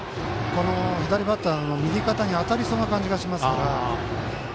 左バッターの右肩に当たりそうな感じがしますから。